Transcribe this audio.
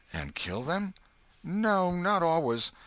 "And kill them?" "No, not always.